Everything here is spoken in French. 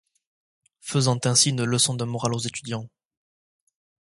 Faisant ainsi une leçon de morale aux étudiants.